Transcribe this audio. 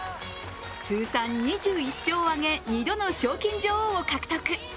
通算２１勝を挙げ、２度の賞金女王を獲得。